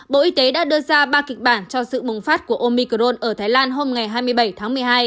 bộ y tế đã đưa ra ba kịch bản cho sự bùng phát của omicron ở thái lan hôm ngày hai mươi bảy tháng một mươi hai